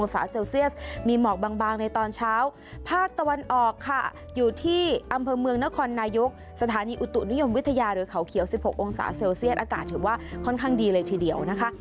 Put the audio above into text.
ส่วนนี้อุตุนุยมวิทยาเรือก่าวเขียว๑๖องศาเซลเซียสอากาศถือว่าค่อนข้างดีเลยทีเดียวนะคะ